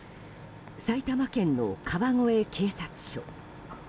埼玉県の川越警察署。